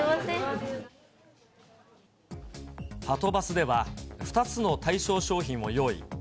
はとバスでは、２つの対象商品を用意。